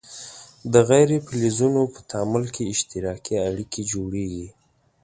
د غیر فلزونو په تعامل کې اشتراکي اړیکې جوړیږي.